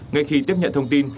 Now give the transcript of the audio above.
ngay khi tiếp nhận thông tin